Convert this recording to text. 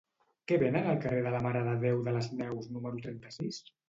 Què venen al carrer de la Mare de Déu de les Neus número trenta-sis?